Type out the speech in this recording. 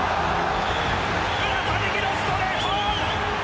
村田、右のストレート。